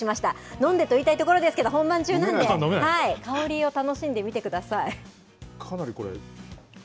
飲んでと言いたいところですけど、本番中なんで、香りを楽しんでみかなりこれ。